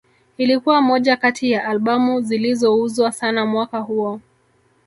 Ilikuwa moja kati ya Albamu zilizouzwa sana mwaka huo